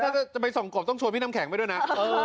ถ้าจะไปส่องกบต้องชวนพี่น้ำแข็งไปด้วยนะ